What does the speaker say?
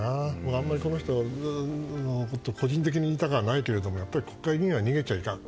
あんまりこの人のことを個人的に言いたくはないけども国会議員は逃げちゃいかん。